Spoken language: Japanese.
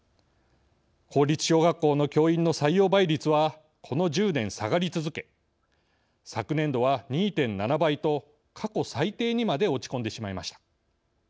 公立小学校の教員の採用倍率はこの１０年下がり続け昨年度は２．７倍と過去最低にまで落ち込んでしまいました。